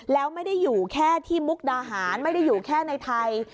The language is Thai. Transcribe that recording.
แล้วไม่ได้อยู่แค่ที่มุกดาหารไม่ได้อยู่แค่ในไทย